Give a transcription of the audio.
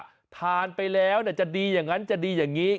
ทำงานล์ทานไปแล้วจะดีอย่างงั้นจะดีอย่างงี้